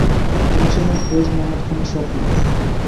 তিনি ছিলেন ফৈজ মোহাম্মদ খানের সৎ মা।